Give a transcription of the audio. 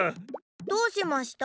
どうしました？